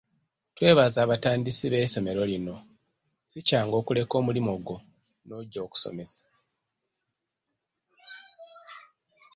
Twebaza abatandisi b'essomero lino, si kyangu okuleka omulimu gwo n'oggya okusomesa.